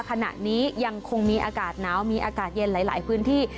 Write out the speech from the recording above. ขณะนี้ยังคงมีอากาศหนาวมีอากาศเย็นหลายพื้นที่